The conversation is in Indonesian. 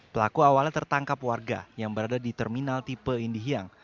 pelaku awalnya tertangkap warga yang berada di terminal tipe indihiyang